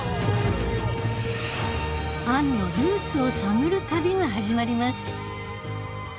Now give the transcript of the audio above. アンのルーツを探る旅が始まります